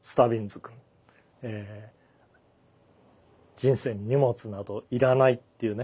人生に荷物などいらないっていうね